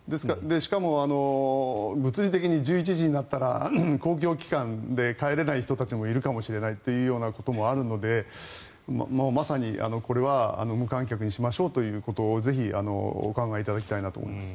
しかも、物理的に１１時になったら公共機関で帰れない人たちもいるかもしれないということもあるのでまさに、これは無観客にしましょうということをぜひ、お考えいただきたいなと思います。